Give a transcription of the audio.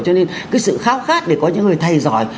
cho nên cái sự khao khát để có những người thầy giỏi